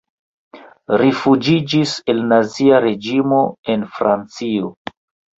Rifuĝiĝis el nazia reĝimo en Francio.